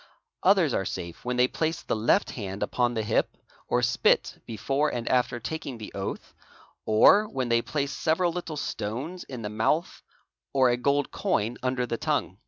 Others are safe when they place the left hand upon the hip, or spit before and after taking the oath, or when they place several little stones in the ; 'mouth or a gold coin under the tongue.